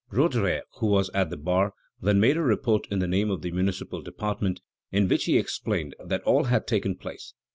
Roederer, who was at the bar, then made a report in the name of the municipal department, in which he explained all that had taken place.